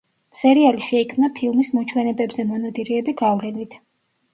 სერიალი შეიქმნა ფილმის „მოჩვენებებზე მონადირეები“ გავლენით.